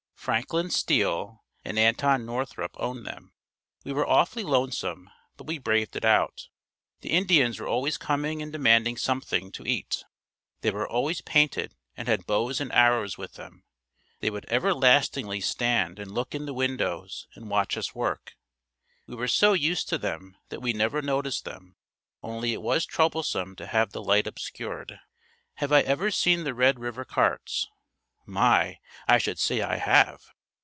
Franklin Steele and Anton Northrup owned them. We were awfully lonesome but we braved it out. The Indians were always coming and demanding something to eat. They were always painted and had bows and arrows with them. They would everlastingly stand and look in the windows and watch us work. We were so used to them that we never noticed them, only it was troublesome to have the light obscured. Have I ever seen the Red River carts? My! I should say I have!